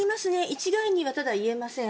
一概には言えません。